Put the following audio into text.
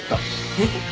えっ？